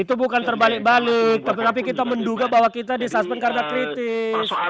itu bukan terbalik balik tapi kita menduga bahwa kita di suspend karena kritis